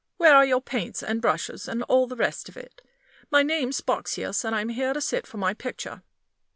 Where are your paints and brushes, and all the rest of it? My name's Boxsious, and I'm here to sit for my picture."